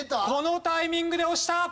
このタイミングで押した！